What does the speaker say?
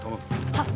はっ。